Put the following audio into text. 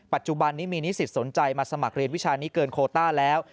ปัจจุบันนี้มีนิสิตสนใจมาสมัครเรียนวิชานี้เกินโคต้าแล้ว